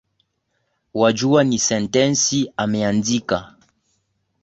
Wajua ni sentensi ameandika.